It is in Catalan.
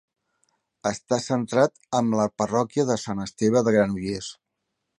Està centrat en la parròquia de Sant Esteve de Granollers.